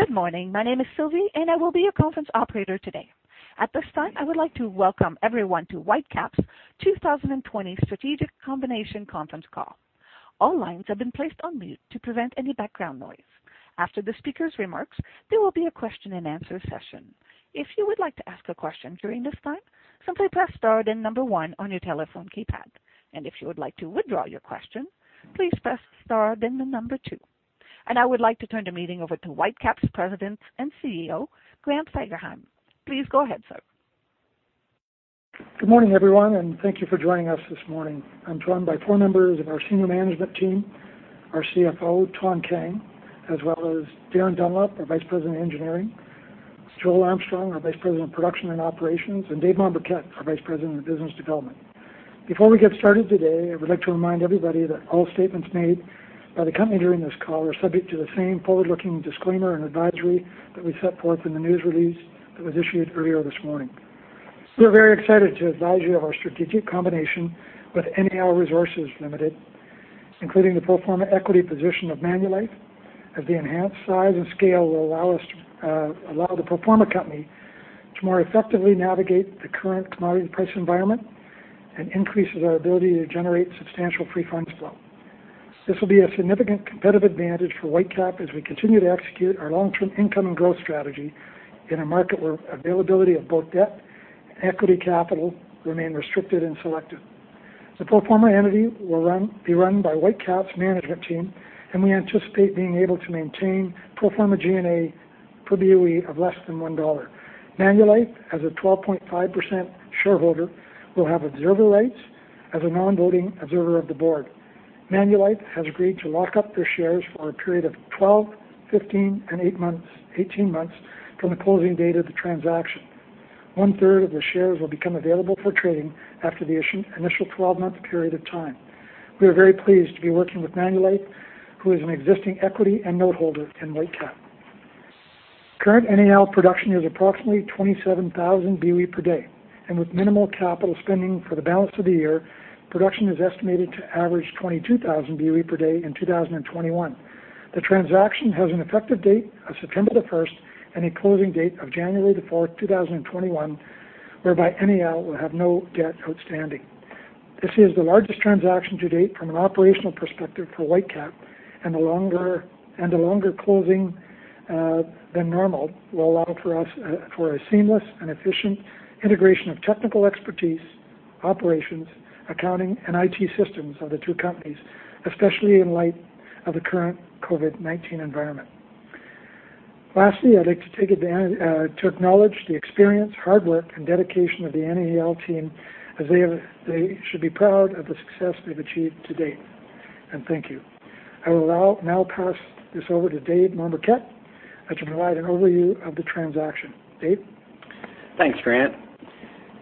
Good morning. My name is Sylvie, and I will be your conference operator today. At this time, I would like to welcome everyone to Whitecap's 2020 Strategic Combination Conference Call. All lines have been placed on mute to prevent any background noise. After the speaker's remarks, there will be a Q&A session. If you would like to ask a question during this time, simply press star then number one on your telephone keypad. And if you would like to withdraw your question, please press star then the number two. And I would like to turn the meeting over to Whitecap's President and CEO, Grant Fagerheim. Please go ahead, sir. Good morning, everyone, and thank you for joining us this morning. I'm joined by four members of our senior management team, our CFO, Thanh Kang, as well as Darin Dunlop, our Vice President of Engineering, Joel Armstrong, our Vice President of Production and Operations, and Dave Mombourquette, our Vice President of Business Development. Before we get started today, I would like to remind everybody that all statements made by the company during this call are subject to the same forward-looking disclaimer and advisory that we set forth in the news release that was issued earlier this morning. We are very excited to advise you of our strategic combination with NAL Resources Limited, including the pro forma equity position of Manulife, as the enhanced size and scale will allow the pro forma company to more effectively navigate the current commodity price environment and increases our ability to generate substantial free funds flow. This will be a significant competitive advantage for Whitecap as we continue to execute our long-term income and growth strategy in a market where availability of both debt and equity capital remain restricted and selective. The pro forma entity will be run by Whitecap's management team, and we anticipate being able to maintain pro forma G&A per BOE of less than 1 dollar. Manulife, as a 12.5% shareholder, will have observer rights as a non-voting observer of the board. Manulife has agreed to lock up their shares for a period of 12, 15, and 18 months from the closing date of the transaction. 1/3 of the shares will become available for trading after the initial 12-month period of time. We are very pleased to be working with Manulife, who is an existing equity and noteholder in Whitecap. Current NAL production is approximately 27,000 BOE per day, and with minimal capital spending for the balance of the year, production is estimated to average 22,000 BOE per day in 2021. The transaction has an effective date of September the 1st and a closing date of January the 4th, 2021, whereby NAL will have no debt outstanding. This is the largest transaction to date from an operational perspective for Whitecap, and the longer closing than normal will allow for a seamless and efficient integration of technical expertise, operations, accounting, and IT systems of the two companies, especially in light of the current COVID-19 environment. Lastly, I'd like to acknowledge the experience, hard work, and dedication of the NAL team, as they should be proud of the success they've achieved to date, and thank you. I will now pass this over to Dave Mombourquette, who will provide an overview of the transaction. Dave? Thanks, Grant.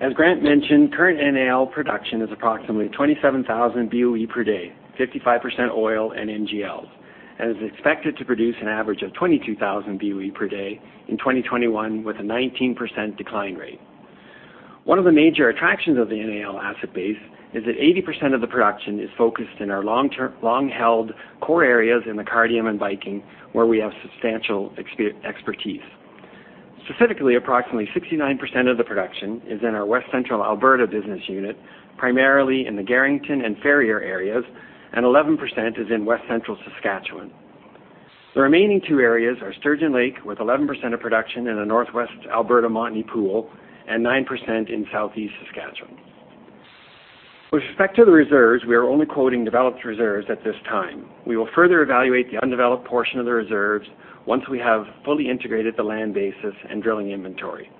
As Grant mentioned, current NAL production is approximately 27,000 BOE per day, 55% oil and NGLs, and is expected to produce an average of 22,000 BOE per day in 2021, with a 19% decline rate. One of the major attractions of the NAL asset base is that 80% of the production is focused in our long-held core areas in the Cardium and Viking, where we have substantial expertise. Specifically, approximately 69% of the production is in our West Central Alberta business unit, primarily in the Garrington and Ferrier areas, and 11% is in West Central Saskatchewan. The remaining two areas are Sturgeon Lake, with 11% of production in the Northwest Alberta Montney Pool and 9% in Southeast Saskatchewan. With respect to the reserves, we are only quoting developed reserves at this time. We will further evaluate the undeveloped portion of the reserves once we have fully integrated the land basis and drilling inventory.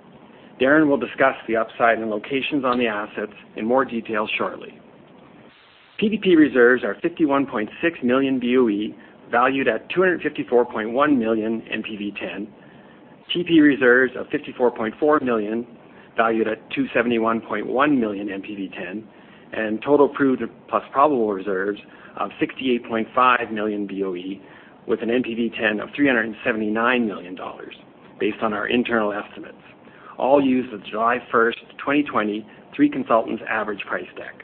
Darin will discuss the upside and locations on the assets in more detail shortly. PDP reserves are 51.6 million BOE, valued at 254.1 million NPV10. TP reserves of 54.4 million, valued at 271.1 million NPV10, and total proved plus probable reserves of 68.5 million BOE, with an NPV10 of $379 million, based on our internal estimates, all used at July 1st, 2020, three consultants' average price deck.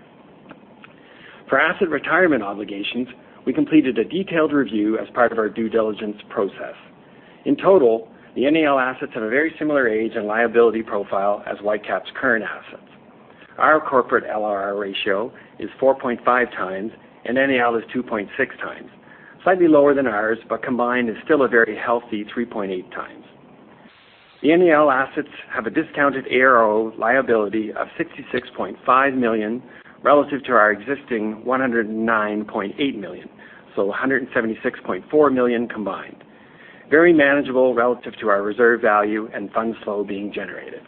For asset retirement obligations, we completed a detailed review as part of our due diligence process. In total, the NAL assets have a very similar age and liability profile as Whitecap's current assets. Our corporate LLR ratio is 4.5x, and NAL is 2.6x, slightly lower than ours, but combined is still a very healthy 3.8x. The NAL assets have a discounted ARO liability of 66.5 million relative to our existing 109.8 million, so 176.4 million combined, very manageable relative to our reserve value and funds flow being generated.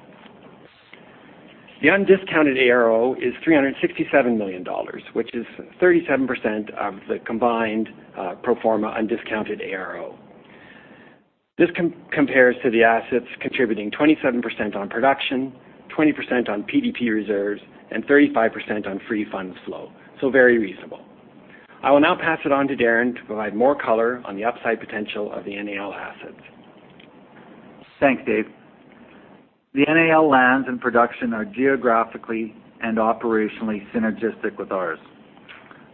The undiscounted ARO is 367 million dollars, which is 37% of the combined pro forma undiscounted ARO. This compares to the assets contributing 27% on production, 20% on PDP reserves, and 35% on free funds flow, so very reasonable. I will now pass it on to Darin to provide more color on the upside potential of the NAL assets. Thanks, Dave. The NAL lands and production are geographically and operationally synergistic with ours.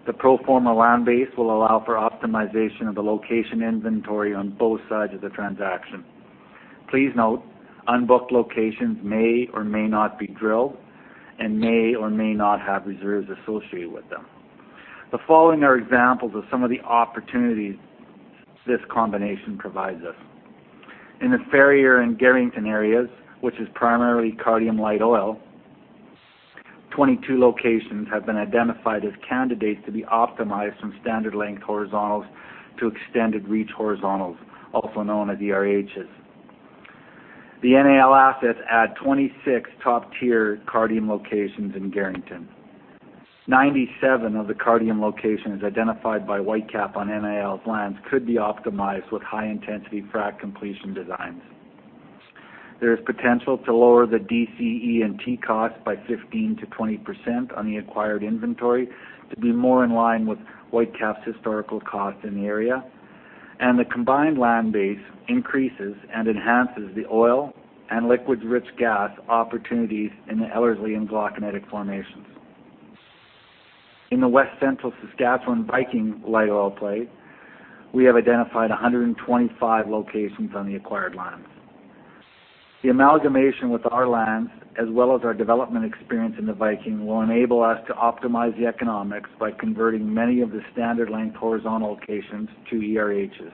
The pro forma land base will allow for optimization of the location inventory on both sides of the transaction. Please note, unbooked locations may or may not be drilled and may or may not have reserves associated with them. The following are examples of some of the opportunities this combination provides us. In the Ferrier and Garrington areas, which is primarily Cardium Light Oil, 22 locations have been identified as candidates to be optimized from standard length horizontals to extended reach horizontals, also known as ERHs. The NAL assets add 26 top-tier Cardium locations in Garrington. 97 of the Cardium locations identified by Whitecap on NAL's lands could be optimized with high-intensity frac completion designs. There is potential to lower the DCE and T costs by 15%-20% on the acquired inventory to be more in line with Whitecap's historical cost in the area, and the combined land base increases and enhances the oil and liquids-rich gas opportunities in the Ellerslie and Glauconitic formations. In the West Central Saskatchewan Viking Light Oil play, we have identified 125 locations on the acquired lands. The amalgamation with our lands, as well as our development experience in the Viking, will enable us to optimize the economics by converting many of the standard length horizontal locations to ERHs.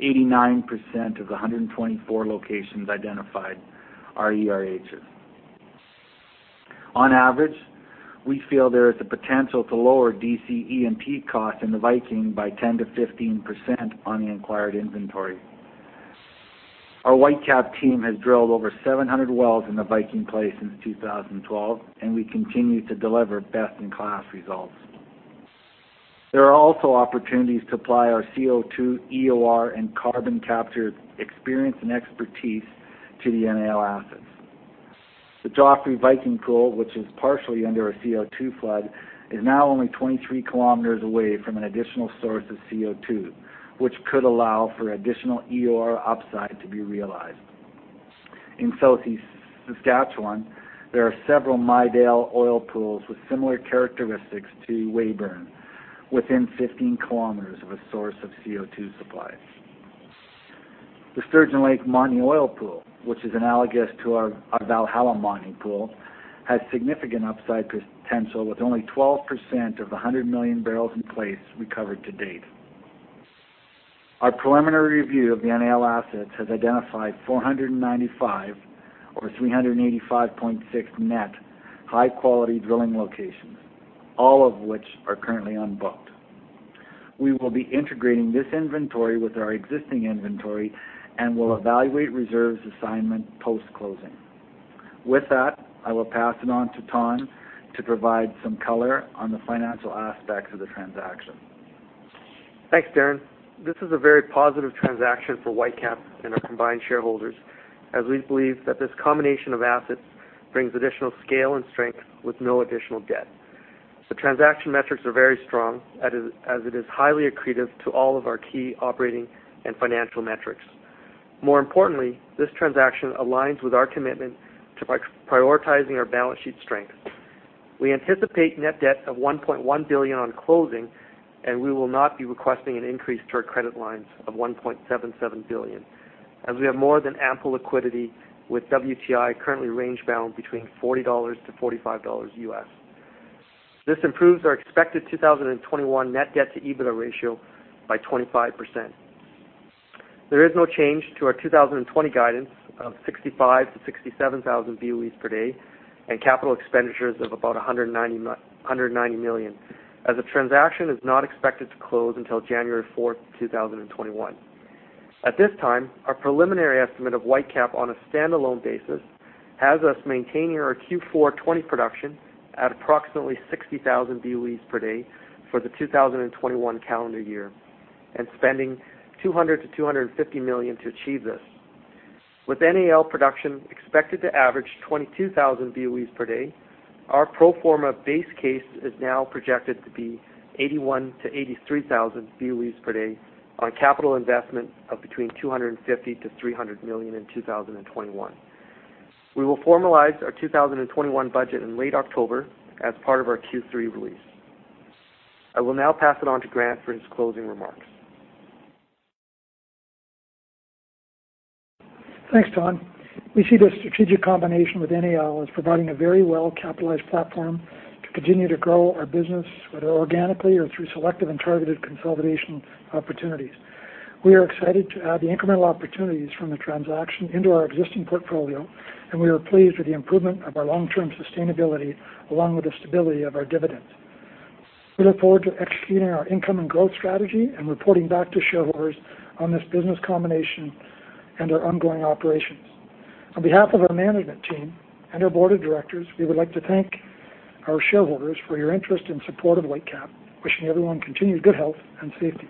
89% of the 124 locations identified are ERHs. On average, we feel there is a potential to lower DCE and T costs in the Viking by 10%-15% on the acquired inventory. Our Whitecap team has drilled over 700 wells in the Viking play since 2012, and we continue to deliver best-in-class results. There are also opportunities to apply our CO2, EOR, and carbon capture experience and expertise to the NAL assets. The Joffre Viking Pool, which is partially under a CO2 flood, is now only 23 kilometers away from an additional source of CO2, which could allow for additional EOR upside to be realized. In Southeast Saskatchewan, there are several Midale Oil Pools with similar characteristics to Weyburn, within 15 kilometers of a source of CO2 supply. The Sturgeon Lake Montney Oil Pool, which is analogous to our Valhalla Montney Pool, has significant upside potential with only 12% of the 100 million barrels in place recovered to date. Our preliminary review of the NAL assets has identified 495 or 385.6 net high-quality drilling locations, all of which are currently unbooked. We will be integrating this inventory with our existing inventory and will evaluate reserves assignment post-closing. With that, I will pass it on to Thanh to provide some color on the financial aspects of the transaction. Thanks, Darin. This is a very positive transaction for Whitecap and our combined shareholders, as we believe that this combination of assets brings additional scale and strength with no additional debt. The transaction metrics are very strong, as it is highly accretive to all of our key operating and financial metrics. More importantly, this transaction aligns with our commitment to prioritizing our balance sheet strength. We anticipate net debt of 1.1 billion on closing, and we will not be requesting an increase to our credit lines of 1.77 billion, as we have more than ample liquidity, with WTI currently range-bound between $40-$45 USD. This improves our expected 2021 net debt-to-EBITDA ratio by 25%. There is no change to our 2020 guidance of 65,000 to 67,000 BOEs per day and capital expenditures of about 190 million, as the transaction is not expected to close until January 4th, 2021. At this time, our preliminary estimate of Whitecap on a standalone basis has us maintaining our Q4 2020 production at approximately 60,000 BOEs per day for the 2021 calendar year and spending 200 million-250 million to achieve this. With NAL production expected to average 22,000 BOEs per day, our pro forma base case is now projected to be 81,000-83,000 BOEs per day on a capital investment of between 250 million-300 million in 2021. We will formalize our 2021 budget in late October as part of our Q3 release. I will now pass it on to Grant for his closing remarks. Thanks, Thanh. We see this strategic combination with NAL as providing a very well-capitalized platform to continue to grow our business, whether organically or through selective and targeted consolidation opportunities. We are excited to add the incremental opportunities from the transaction into our existing portfolio, and we are pleased with the improvement of our long-term sustainability along with the stability of our dividends. We look forward to executing our income and growth strategy and reporting back to shareholders on this business combination and our ongoing operations. On behalf of our management team and our board of directors, we would like to thank our shareholders for your interest and support of Whitecap, wishing everyone continued good health and safety.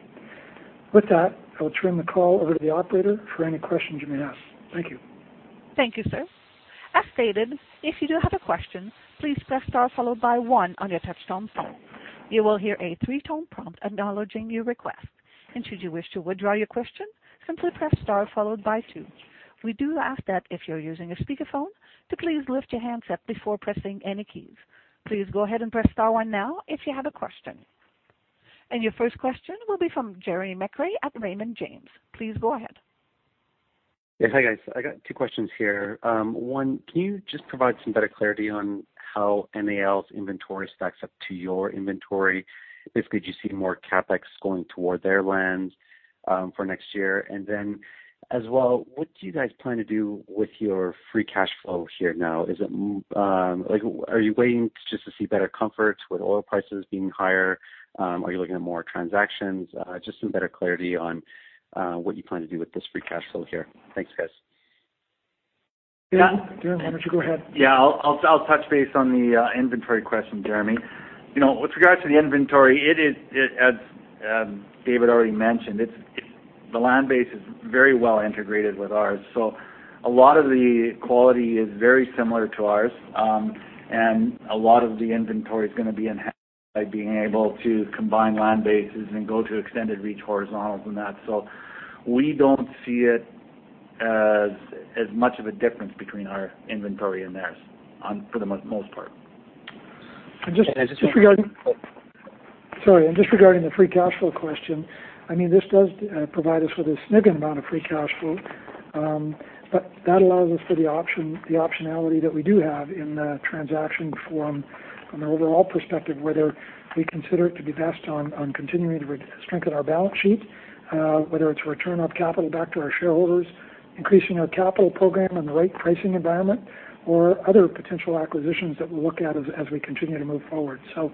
With that, I will turn the call over to the operator for any questions you may have. Thank you. Thank you, sir. As stated, if you do have a question, please press star followed by one on your touch-tone phone. You will hear a three-tone prompt acknowledging your request, and should you wish to withdraw your question, simply press star followed by two. We do ask that if you're using a speakerphone to please lift your handset up before pressing any keys. Please go ahead and press star one now if you have a question. And your first question will be from Jeremy McCrea at Raymond James. Please go ahead. Yeah, hi guys. I got two questions here. One, can you just provide some better clarity on how NAL's inventory stacks up to your inventory? Basically, do you see more CapEx going toward their lands for next year? And then, as well, what do you guys plan to do with your free cash flow here now? Are you waiting just to see better comfort with oil prices being higher? Are you looking at more transactions? Just some better clarity on what you plan to do with this free cash flow here. Thanks, guys. Thank you, Darin. Why don't you go ahead? Yeah, I'll touch base on the inventory question, Jeremy. With regard to the inventory, as David already mentioned, the land base is very well integrated with ours, so a lot of the quality is very similar to ours, and a lot of the inventory is going to be enhanced by being able to combine land bases and go to extended reach horizontals and that. So we don't see it as much of a difference between our inventory and theirs for the most part. Just regarding. Sorry. And just regarding the free cash flow question, I mean, this does provide us with a significant amount of free cash flow, but that allows us for the optionality that we do have in the transaction form from an overall perspective, whether we consider it to be best on continuing to strengthen our balance sheet, whether it's return of capital back to our shareholders, increasing our capital program in the right pricing environment, or other potential acquisitions that we'll look at as we continue to move forward. So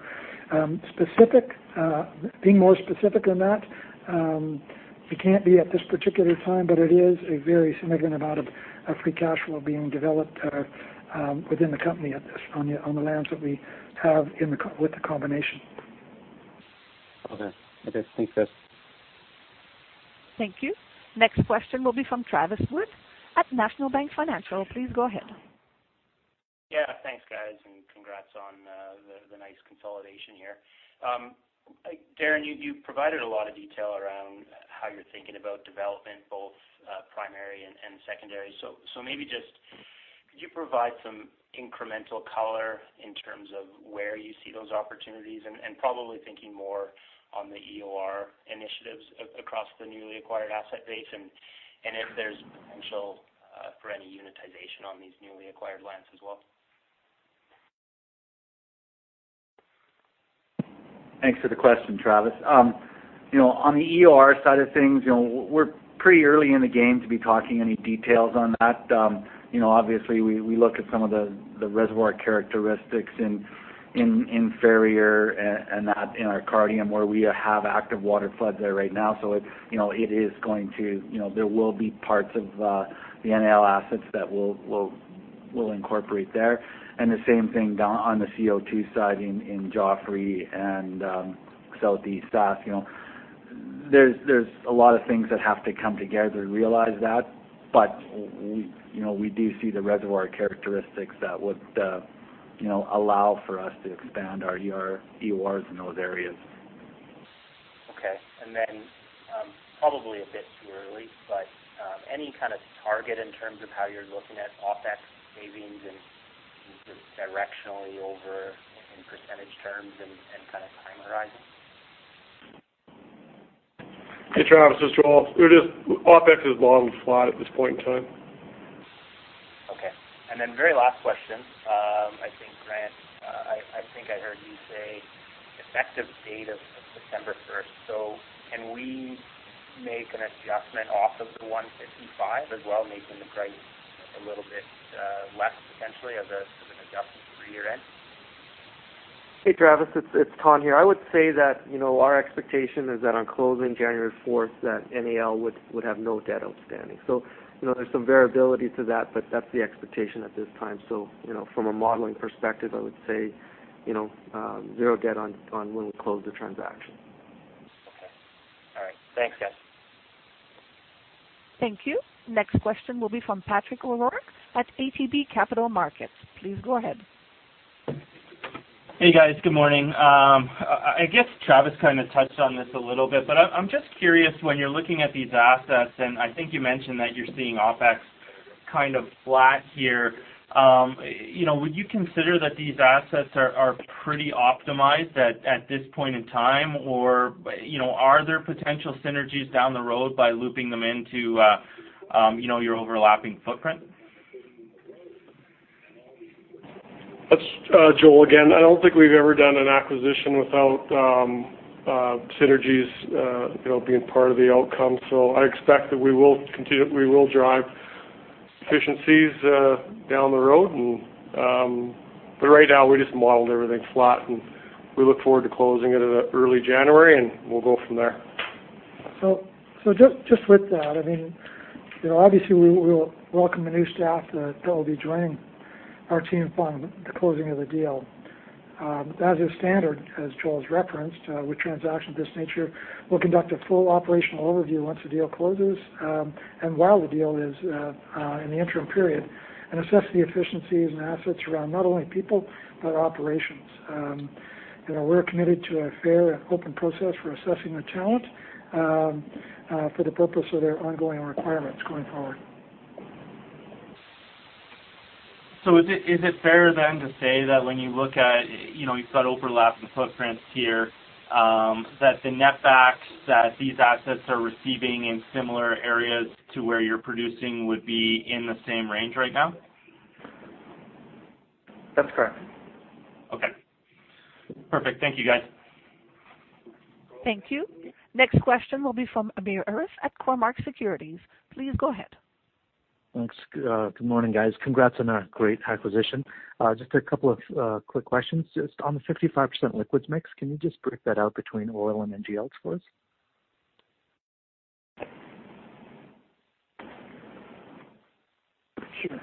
being more specific than that, we can't be at this particular time, but it is a very significant amount of free cash flow being developed within the company on the lands that we have with the combination. Okay. Okay. Thanks, guys. Thank you. Next question will be from Travis Wood at National Bank Financial. Please go ahead. Yeah, thanks, guys, and congrats on the nice consolidation here. Darin, you provided a lot of detail around how you're thinking about development, both primary and secondary. So maybe just could you provide some incremental color in terms of where you see those opportunities and probably thinking more on the EOR initiatives across the newly acquired asset base and if there's potential for any unitization on these newly acquired lands as well? Thanks for the question, Travis. On the EOR side of things, we're pretty early in the game to be talking any details on that. Obviously, we look at some of the reservoir characteristics in Ferrier and that in our Cardium, where we have active water floods there right now, so it will be parts of the NAL assets that we'll incorporate there. And the same thing on the CO2 side in Joffre and Southeast Sask. There's a lot of things that have to come together to realize that, but we do see the reservoir characteristics that would allow for us to expand our EORs in those areas. Okay. And then probably a bit too early, but any kind of target in terms of how you're looking at OpEx savings and just directionally over in percentage terms and kind of time horizon? Hey, Travis. It's Joel. OpEx is bottom flat at this point in time. Okay. And then very last question. I think, Grant, I think I heard you say effective date of September 1st. So can we make an adjustment off of the 155 as well, making the price a little bit less potentially as an adjustment for year-end? Hey, Travis. It's Thanh here. I would say that our expectation is that on closing January 4th, that NAL would have no debt outstanding. So there's some variability to that, but that's the expectation at this time. So from a modeling perspective, I would say zero debt on when we close the transaction. Okay. All right. Thanks, guys. Thank you. Next question will be from Patrick O'Rourke at ATB Capital Markets. Please go ahead. Hey, guys. Good morning. I guess Travis kind of touched on this a little bit, but I'm just curious when you're looking at these assets, and I think you mentioned that you're seeing OpEx kind of flat here. Would you consider that these assets are pretty optimized at this point in time, or are there potential synergies down the road by looping them into your overlapping footprint? That's Joel again. I don't think we've ever done an acquisition without synergies being part of the outcome, so I expect that we will drive efficiencies down the road. But right now, we just modeled everything flat, and we look forward to closing it in early January, and we'll go from there. So just with that, I mean, obviously, we'll welcome the new staff that will be joining our team upon the closing of the deal. As is standard, as Joel has referenced, with transactions of this nature, we'll conduct a full operational overview once the deal closes and while the deal is in the interim period and assess the efficiencies and assets around not only people but operations. We're committed to a fair and open process for assessing the talent for the purpose of their ongoing requirements going forward. So, is it fair then to say that when you look at, you've got overlapping footprints here, that the netback that these assets are receiving in similar areas to where you're producing would be in the same range right now? That's correct. Okay. Perfect. Thank you, guys. Thank you. Next question will be from Amir Arif at Cormark Securities. Please go ahead. Thanks. Good morning, guys. Congrats on our great acquisition. Just a couple of quick questions. Just on the 55% liquids mix, can you just break that out between oil and NGLs for us? Sure.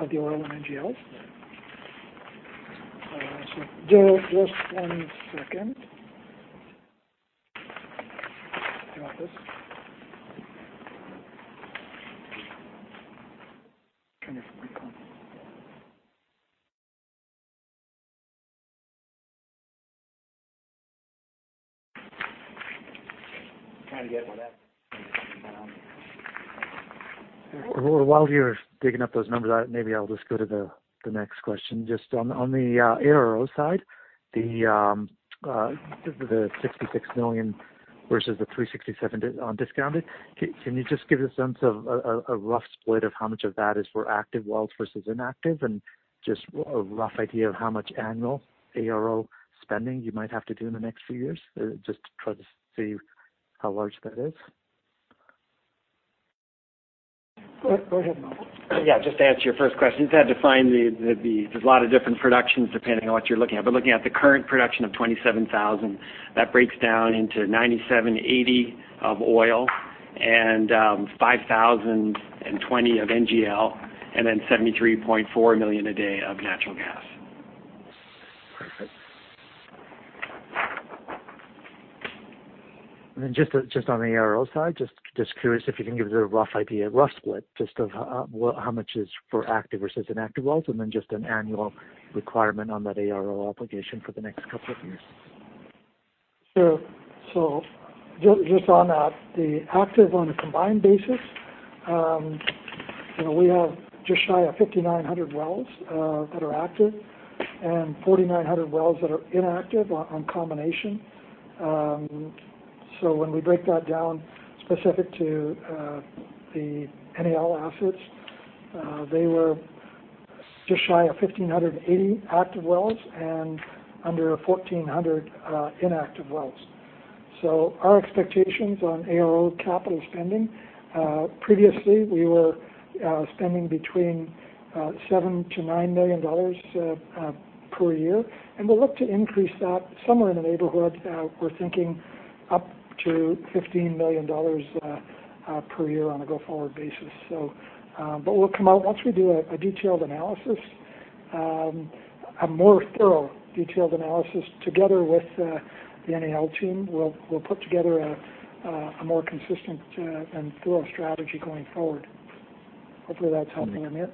Of the oil and NGLs. So, just one second. While you're digging up those numbers out, maybe I'll just go to the next question. Just on the ARO side, the 66 million versus the 367 million discounted, can you just give us a sense of a rough split of how much of that is for active wells versus inactive and just a rough idea of how much annual ARO spending you might have to do in the next few years just to try to see how large that is? Go ahead, Darin. Yeah. Just to answer your first question, it's hard to find. There's a lot of different productions depending on what you're looking at. But looking at the current production of 27,000, that breaks down into 9,780 of oil and 5,000 of NGL, and then 73.4 million a day of natural gas. Perfect. And then just on the ARO side, just curious if you can give us a rough idea, a rough split just of how much is for active versus inactive wells and then just an annual requirement on that ARO accretion for the next couple of years? Sure. So just on that, the active on a combined basis, we have just shy of 5,900 wells that are active and 4,900 wells that are inactive on combination. So when we break that down specific to the NAL assets, they were just shy of 1,580 active wells and under 1,400 inactive wells. So our expectations on ARO capital spending, previously, we were spending between 7 million to 9 million dollars per year, and we'll look to increase that somewhere in the neighborhood. We're thinking up to 15 million dollars per year on a go-forward basis. But we'll come out once we do a detailed analysis, a more thorough detailed analysis together with the NAL team. We'll put together a more consistent and thorough strategy going forward. Hopefully, that's helping Amir.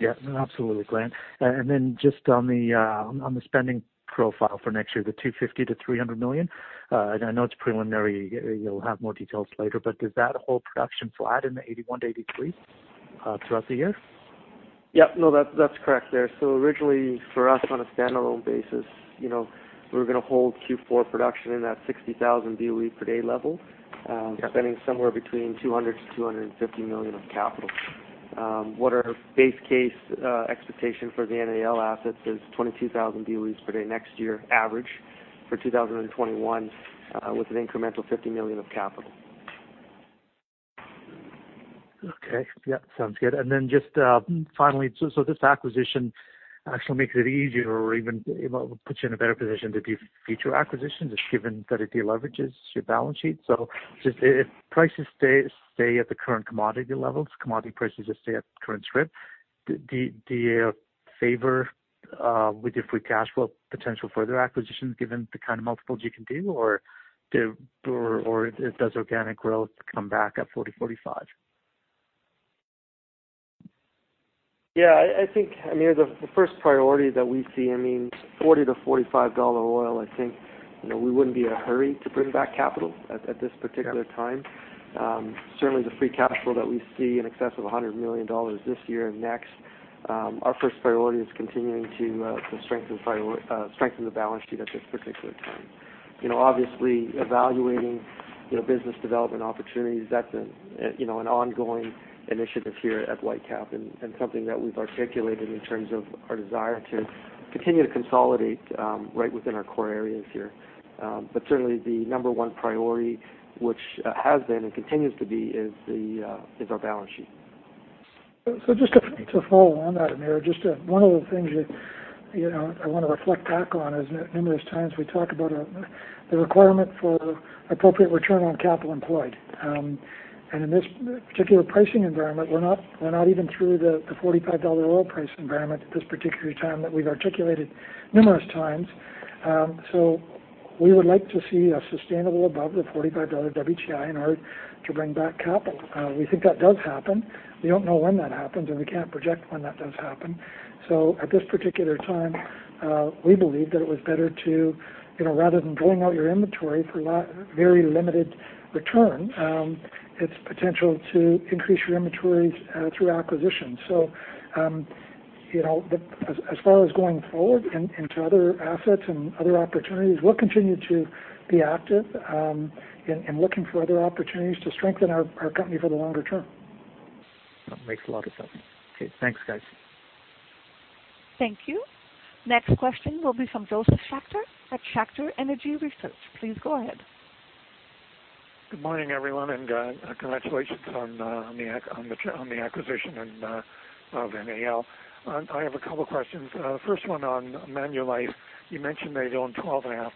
Yeah. Absolutely, Grant. And then just on the spending profile for next year, the $250 million-$300 million, and I know it's preliminary. You'll have more details later, but does that hold production flat in the 81 to 83 throughout the year? Yep. No, that's correct there. So originally, for us on a standalone basis, we were going to hold Q4 production in that 60,000 BOE per day level, spending somewhere between 200 million- 250 million of capital. What our base case expectation for the NAL assets is 22,000 BOEs per day next year average for 2021 with an incremental 50 million of capital. Okay. Yeah. Sounds good. And then just finally, so this acquisition actually makes it easier or even puts you in a better position to do future acquisitions just given that it deleverages your balance sheet. So if prices stay at the current commodity levels, commodity prices just stay at current strip, do you favor with your free cash flow potential further acquisitions given the kind of multiples you can do, or does organic growth come back at 40, 45? Yeah. I think, Amir, the first priority that we see, I mean, $40-$45 oil, I think we wouldn't be in a hurry to bring back capital at this particular time. Certainly, the free cash flow that we see in excess of 100 million dollars this year and next, our first priority is continuing to strengthen the balance sheet at this particular time. Obviously, evaluating business development opportunities, that's an ongoing initiative here at Whitecap and something that we've articulated in terms of our desire to continue to consolidate right within our core areas here. But certainly, the number one priority, which has been and continues to be, is our balance sheet. So just to follow on that, Amir, just one of the things I want to reflect back on is that numerous times we talk about the requirement for appropriate return on capital employed. And in this particular pricing environment, we're not even through the $45 oil price environment at this particular time that we've articulated numerous times. So we would like to see a sustainable above the $45 WTI in order to bring back capital. We think that does happen. We don't know when that happens, and we can't project when that does happen. So at this particular time, we believe that it was better to, rather than drilling out your inventory for very limited return, it's potential to increase your inventories through acquisitions. So as far as going forward into other assets and other opportunities, we'll continue to be active in looking for other opportunities to strengthen our company for the longer term. That makes a lot of sense. Okay. Thanks, guys. Thank you. Next question will be from Josef Schachter at Schachter Energy Research. Please go ahead. Good morning, everyone, and congratulations on the acquisition of NAL. I have a couple of questions. The first one on Manulife. You mentioned they own 12.5%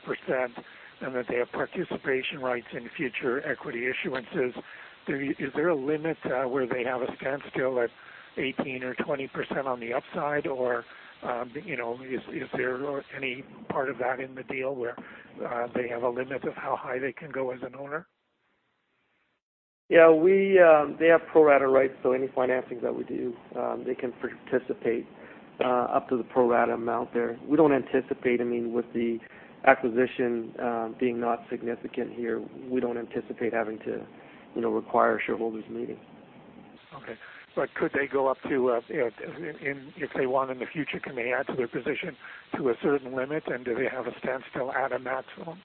and that they have participation rights in future equity issuances. Is there a limit where they have a standstill at 18% or 20% on the upside, or is there any part of that in the deal where they have a limit of how high they can go as an owner? Yeah. They have pro-rata rights, so any financing that we do, they can participate up to the pro-rata amount there. We don't anticipate, I mean, with the acquisition being not significant here, we don't anticipate having to require shareholders' meeting. Okay, but could they go up to, if they want in the future, can they add to their position to a certain limit, and do they have a standstill at a maximum?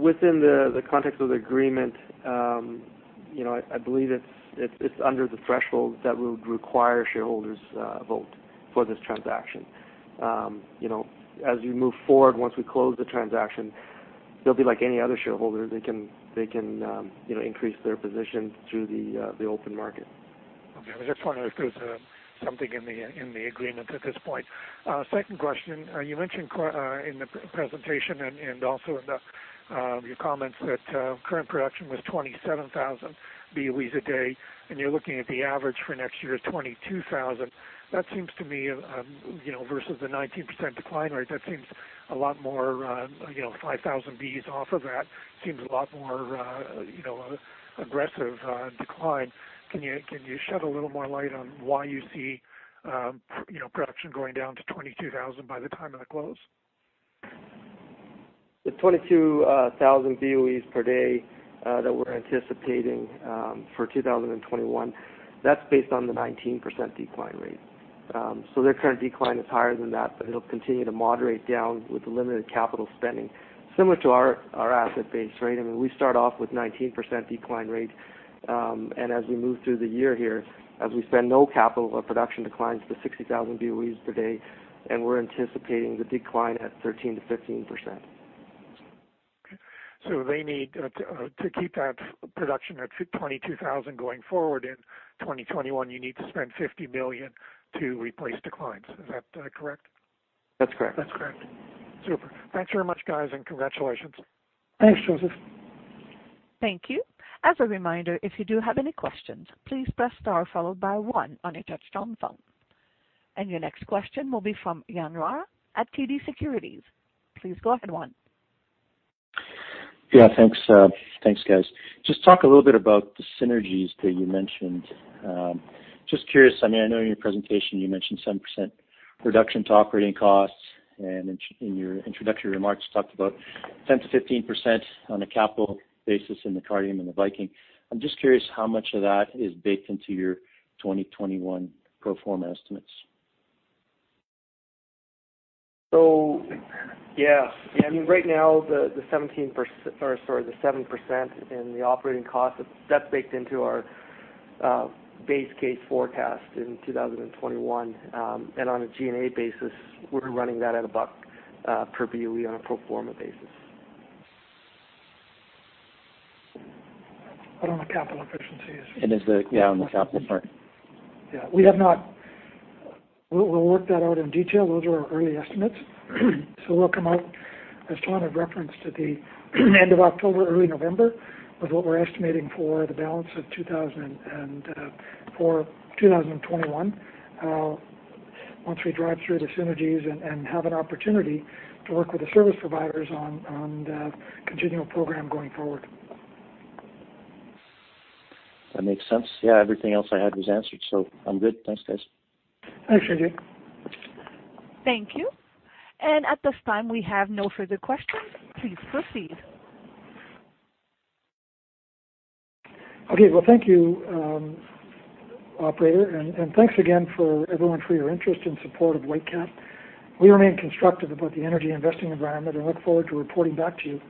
Within the context of the agreement, I believe it's under the threshold that we would require shareholders vote for this transaction. As we move forward, once we close the transaction, they'll be like any other shareholder. They can increase their position through the open market. Okay. I was just wondering if there's something in the agreement at this point. Second question. You mentioned in the presentation and also in your comments that current production was 27,000 BOEs a day, and you're looking at the average for next year of 22,000. That seems to me, versus the 19% decline rate, that seems a lot more 5,000 BOEs off of that seems a lot more aggressive decline. Can you shed a little more light on why you see production going down to 22,000 by the time of the close? The 22,000 BOEs per day that we're anticipating for 2021, that's based on the 19% decline rate. So their current decline is higher than that, but it'll continue to moderate down with limited capital spending, similar to our asset-based rate. I mean, we start off with a 19% decline rate, and as we move through the year here, as we spend no capital, our production declines to 60,000 BOEs per day, and we're anticipating the decline at 13%-15%. Okay. So they need to keep that production at 22,000 going forward, and in 2021, you need to spend 50 million to replace declines. Is that correct? That's correct. That's correct. Super. Thanks very much, guys, and congratulations. Thanks, Josef. Thank you. As a reminder, if you do have any questions, please press star followed by one on your touch-tone phone. And your next question will be from Juan Jarrah at TD Securities. Please go ahead. Yeah. Thanks, guys. Just talk a little bit about the synergies that you mentioned. Just curious, I mean, I know in your presentation you mentioned 7% reduction to operating costs, and in your introductory remarks, you talked about 10%-15% on a capital basis in the Cardium and the Viking. I'm just curious how much of that is baked into your 2021 pro forma estimates? Yeah. Yeah. I mean, right now, the 17% or sorry, the 7% in the operating costs, that's baked into our base case forecast in 2021. On a G&A basis, we're running that at a buck per BOE on a pro forma basis. But on the capital efficiencies? And is it, yeah, on the capital part? Yeah. We have not. We'll work that out in detail. Those are our early estimates. So we'll come out, as John had referenced, to the end of October, early November with what we're estimating for the balance of 2021 once we drive through the synergies and have an opportunity to work with the service providers on the continual program going forward. That makes sense. Yeah. Everything else I had was answered, so I'm good. Thanks, guys. Thank you. Thank you. At this time, we have no further questions. Please proceed. Okay. Well, thank you, operator, and thanks again for everyone for your interest and support of Whitecap. We remain constructive about the energy investing environment and look forward to reporting back to you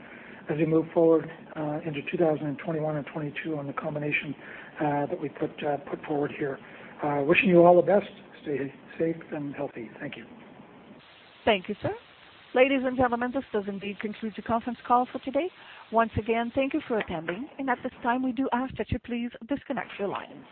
as we move forward into 2021 and 2022 on the combination that we put forward here. Wishing you all the best. Stay safe and healthy. Thank you. Thank you, sir. Ladies and gentlemen, this does indeed conclude the conference call for today. Once again, thank you for attending, and at this time, we do ask that you please disconnect your lines.